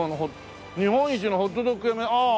「日本一のホットドック屋」ああ。